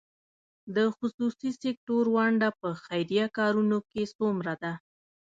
د خصوصي سکتور ونډه په خیریه کارونو کې څومره ده؟